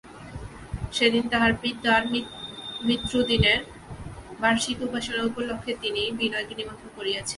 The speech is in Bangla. সেদিন তাঁহার পিতার মৃত্যুদিনের বার্ষিক উপাসনা উপলক্ষে তিনি বিনয়কে নিমন্ত্রণ করিয়াছিলেন।